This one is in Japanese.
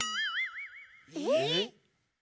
えっ！？